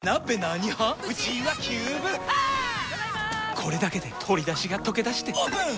これだけで鶏だしがとけだしてオープン！